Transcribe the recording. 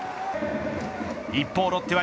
一方ロッテは